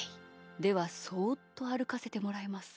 ではそっとあるかせてもらいます。